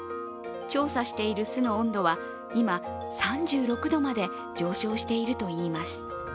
調査している巣の温度は今、３６度まで上昇しているといいます。